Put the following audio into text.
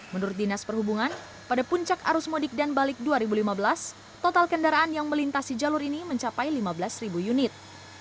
menurut dinas perhubungan pada puncak arus mudik dan balik dua ribu lima belas total kendaraan yang melintasi jalur ini mencapai lima belas unit